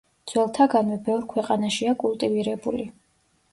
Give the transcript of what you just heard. ძველთაგანვე ბევრ ქვეყანაშია კულტივირებული.